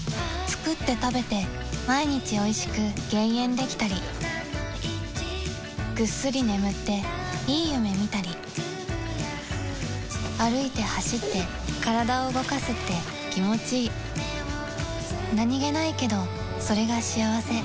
作って食べて毎日おいしく減塩できたりぐっすり眠っていい夢見たり歩いて走って体を動かすって気持ちいい食べる眠る運動するの大切な３つで